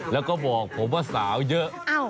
แล้วก็บอกผมว่าสาวเยอะ